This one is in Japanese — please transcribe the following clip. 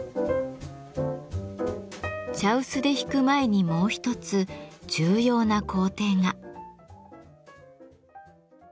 茶臼でひく前にもう一つ重要な工程が。